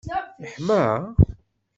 yeḥma?